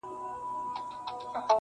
نه یې زور نه یې منګول د چا لیدلی -